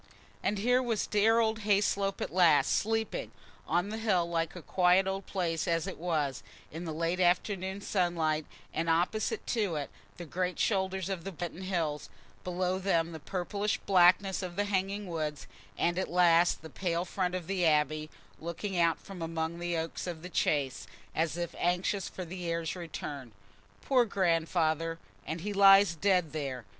And here was dear old Hayslope at last, sleeping, on the hill, like a quiet old place as it was, in the late afternoon sunlight, and opposite to it the great shoulders of the Binton Hills, below them the purplish blackness of the hanging woods, and at last the pale front of the Abbey, looking out from among the oaks of the Chase, as if anxious for the heir's return. "Poor Grandfather! And he lies dead there.